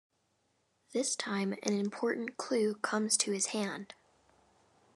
This time an important clue comes to his hand.